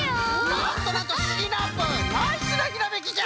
なんとなんとシナプーナイスなひらめきじゃ。